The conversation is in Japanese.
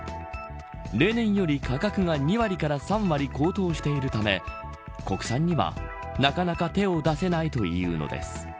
例年より価格が２割から３割高騰しているため国産にはなかなか手を出せないというのです。